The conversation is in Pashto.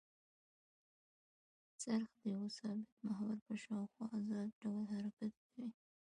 څرخ د یوه ثابت محور په شاوخوا ازاد ډول حرکت کوي.